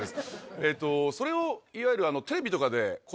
えとそれをいわゆる。